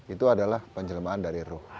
itu adalah penjelemaan dari ruh